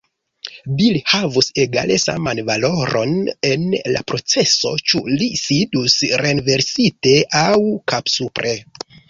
"Bil" havus egale saman valoron en la proceso, ĉu li sidus renversite aŭ kapsupre.